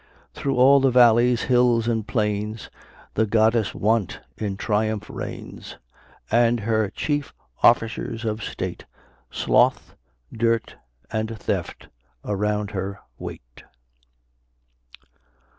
Through all the valleys, hills, and plains, The goddess Want in triumph reigns; And her chief officers of state; Sloth, Dirt, and Theft, around her wait.